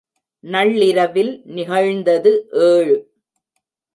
நள்ளிரவில் நிகழ்ந்தது ஏழு.